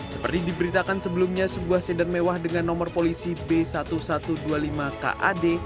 seperti diberitakan sebelumnya sebuah sedan mewah dengan nomor polisi b seribu satu ratus dua puluh lima kad